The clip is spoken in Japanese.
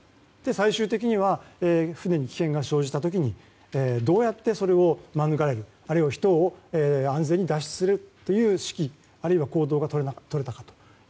最終的には船に危険が生じたときにどうやって、それを免れるあるいは人を安全に脱出させる行動がとれたか。